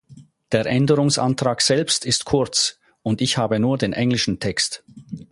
Der Änderungsantrag selbst ist kurz, und ich habe nur den englischen Text.